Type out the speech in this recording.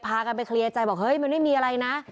พากันไปเคลียร์ใจบอกเฮ้ยมันไม่มีอะไรนะ